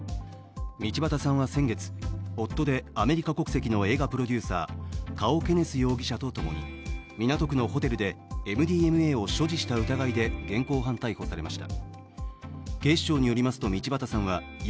道端さんは先月、夫でアメリカ国籍の映画プロデューサー、カオ・ケネス容疑者とともに港区のホテルでＭＤＭＡを所持した疑いで現行犯逮捕されました。